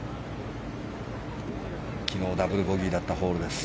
昨日ダブルボギーだったホール。